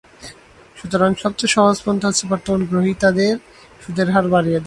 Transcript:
সুতরাং সবচেয়ে সহজ পন্থা হচ্ছে বর্তমান গ্রহীতাদের সুদের হার বাড়িয়ে দেওয়া।